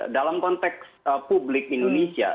dalam konteks publik indonesia